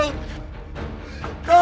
oh enggak mimpi buruk